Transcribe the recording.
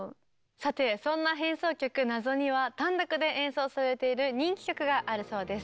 さてそんな変奏曲「謎」には単独で演奏されている人気曲があるそうです。